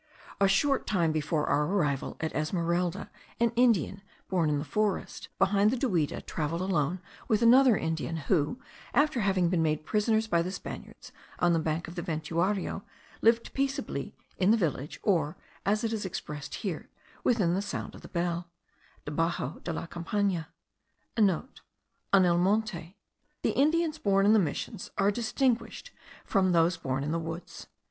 A short time before our arrival at Esmeralda, an Indian, born in the forest* behind the Duida, travelled alone with another Indian, who, after having been made prisoner by the Spaniards on the banks of the Ventuario, lived peaceably in the village, or, as it is expressed here, within the sound of the bell (debaxo de la campana.) (* En el monte. The Indians born in the missions are distinguished from those born in the woods.